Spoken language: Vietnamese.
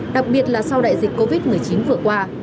đặc biệt là sau đại dịch covid một mươi chín vừa qua